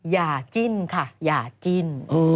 จิ้นค่ะอย่าจิ้น